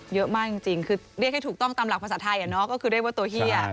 เยอะมากจริงคือเรียกให้ถูกต้องตามหลักภาษาไทยก็คือเรียกว่าตัวเฮีย